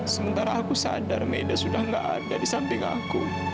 sementara aku sadar media sudah tidak ada di samping aku